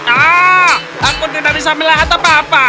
ah aku tidak bisa melihat apa apa